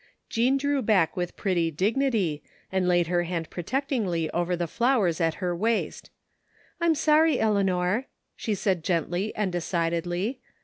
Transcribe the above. Jean drew back with pretty dignity, and laid her hand protectingly over the flowers at her waist: " I'm sorry, Eleanor," she said gently and decidedly.